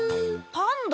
パンダ？